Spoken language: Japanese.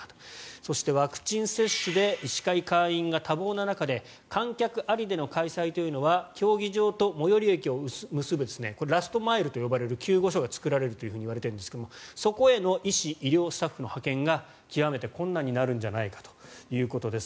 そして、ワクチン接種で医師会会員が多忙な中で観客ありでの開催は競技場と最寄り駅を結ぶラストマイルと呼ばれる救護所が作られるといわれていますがそこへの医師・医療スタッフの派遣が極めて困難になるんじゃないかということです。